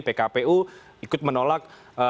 pkpu ikut menolak